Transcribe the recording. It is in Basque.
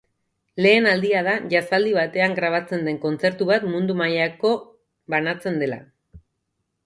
Lehen aldia da jazzaldi batean grabatzen den kontzertu bat mundu mailako banatzen dela.